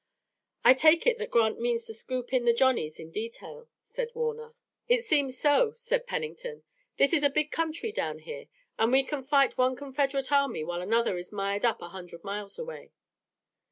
"I take it that Grant means to scoop in the Johnnies in detail," said Warner. "It seems so," said Pennington. "This is a big country down here, and we can fight one Confederate army while another is mired up a hundred miles away.